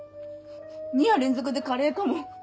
２夜連続でカレーかも。